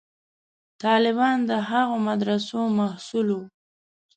طالبان د هغو مدرسو محصول وو.